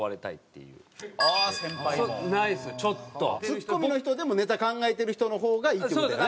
ツッコミの人でもネタ考えてる人の方がいいっていう事やな。